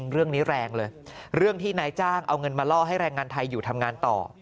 เรื่องนี้แรงเลยเรื่องที่นายจ้างเอาเงินมาล่อให้แรงงานไทยอยู่ทำงานต่อ